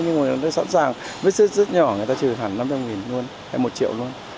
nhưng mà nó sẵn sàng vết xước rất nhỏ người ta trừ thẳng năm trăm linh nghìn luôn hay một triệu luôn